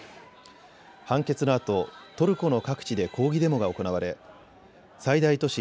判決のあとトルコの各地で抗議デモが行われ最大都市